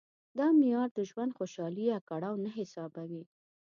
دا معیار د ژوند خوشالي یا کړاو نه حسابوي.